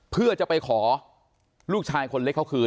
เพื่อจะไปขอลูกชายคนเล็กเขาคืน